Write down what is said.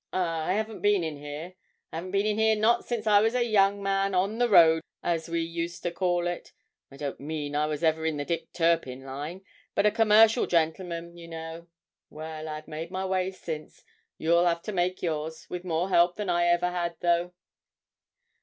Ah, I haven't been in here I haven't been in here not since I was a young man "on the road," as we used to call it. I don't mean I was ever in the Dick Turpin line, but a commercial gentleman, you know. Well, I've made my way since. You'll have to make yours, with more help than I ever had, though.'